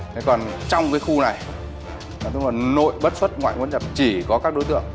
thế còn trong cái khu này là tức là nội bất xuất ngoại quân giảm chỉ có các đối tượng